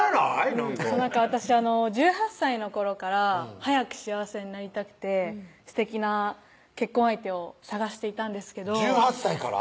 なんか私１８歳の頃から早く幸せになりたくてすてきな結婚相手を探していたんですけど１８歳から？